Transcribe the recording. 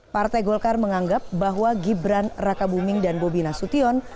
partai golkar menganggap bahwa gibran rakabuming dan bobi nasution